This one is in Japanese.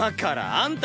「あんた」？